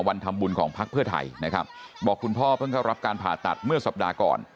วันทำบุญของพักเพื่อไทยนะครับบอกคุณพ่อเพิ่งเข้ารับการผ่าตัดเมื่อสัปดาห์ก่อน